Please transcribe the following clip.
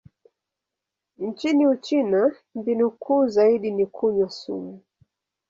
Nchini Uchina, mbinu kuu zaidi ni kunywa sumu.